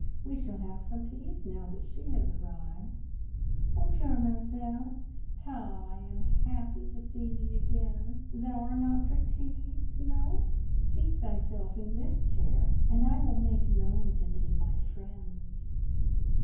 We shall have some peace now that she has arrived. Bon jour, Mamzelle. How I am happy to see thee again! Thou are not fatigued no? Seat thyself in this chair, and I will make known to thee my friends."